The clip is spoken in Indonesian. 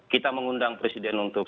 kita mengundang presiden untuk